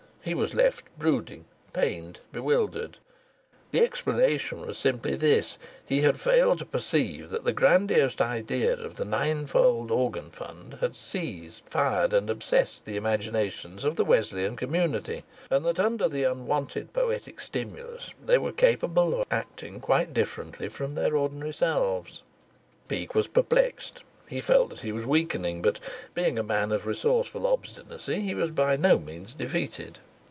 He was left brooding, pained, bewildered. The explanation was simply this: he had failed to perceive that the grandiose idea of the ninefold organ fund had seized, fired, and obsessed the imaginations of the Wesleyan community, and that under the unwonted poetic stimulus they were capable of acting quite differently from their ordinary selves. Peake was perplexed, he felt that he was weakening; but, being a man of resourceful obstinacy, he was by no means defeated.